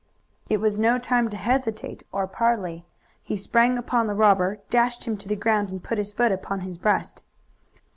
It was no time to hesitate or parley. He sprang upon the robber, dashed him to the ground and put his foot upon his breast.